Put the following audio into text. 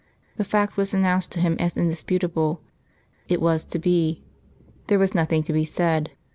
The fact was announced to him as indisputable; it was to be; there was nothing to be said.